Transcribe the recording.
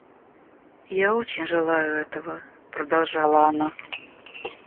Я очень желаю этого, — продолжала она.